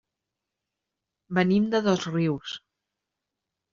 Venim de Dosrius.